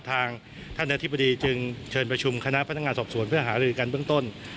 ทางท่านอธิบดีจึงเชิญประชุมคณะพนักงานสอบสวนเพื่อหารือกันเบื้องต้น